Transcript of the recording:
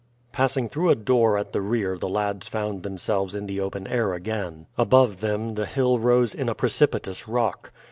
Passing through a door at the rear the lads found themselves in the open air again. Above them the hill rose in a precipitous rock.